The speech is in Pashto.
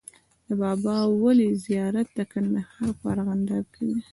د بابا ولي زيارت د کندهار په ارغنداب کی دی